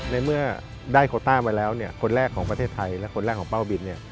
ในเมื่อได้โคต้ามาแล้วคนแรกของประเทศไทยและคนแรกของเป้าบิน